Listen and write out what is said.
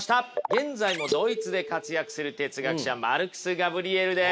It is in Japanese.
現在もドイツで活躍する哲学者マルクス・ガブリエルです。